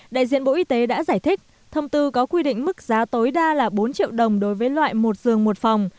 đại diện bộ y tế đã giải thích thông tư có quy định mức giá tối đa là bốn triệu đồng đối với loại một dương một phòng